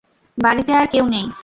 বাড়িতে আর কেউ নেই।